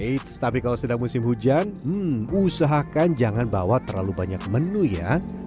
eits tapi kalau sedang musim hujan usahakan jangan bawa terlalu banyak menu ya